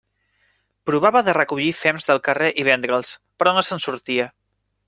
Provava de recollir fems del carrer i vendre'ls, però no se'n sortia.